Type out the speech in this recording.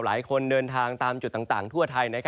หลายคนเดินทางตามจุดต่างทั่วไทย